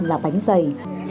là bánh dày